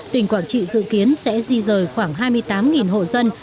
tỉnh quảng trị dự kiến sẽ di rời khoảng hai mươi tám hộ dân